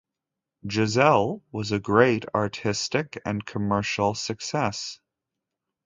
"Giselle" was a great artistic and commercial success.